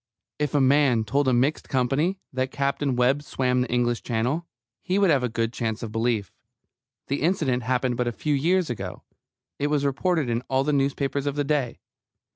If a man told a mixed company that Captain Webb swam the English Channel, he would have a good chance of belief. The incident happened but a few years ago; it was reported in all the newspapers of the day.